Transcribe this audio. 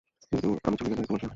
কিন্তু আমি চলে গেলে, তোমার কী হবে?